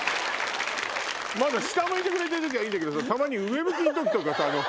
下向いてくれてる時はいいけどさたまに上向きの時とかさ